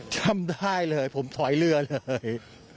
จำได้เลยผมถอยเรือเลย